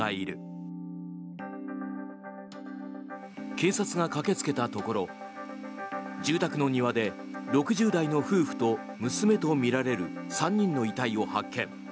警察が駆けつけたところ住宅の庭で６０代の夫婦と娘とみられる３人の遺体を発見。